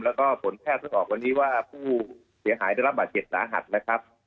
แล้วก็ผลแพทย์เพิ่งออกวันนี้ว่าผู้เสียหายได้รับบาดเจ็บสาหัสนะครับ